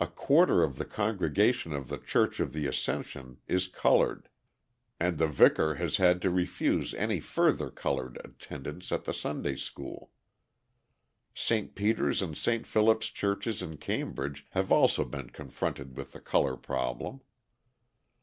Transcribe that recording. A quarter of the congregation of the Church of the Ascension is coloured and the vicar has had to refuse any further coloured attendance at the Sunday School. St. Peter's and St. Philip's Churches in Cambridge have also been confronted with the colour problem.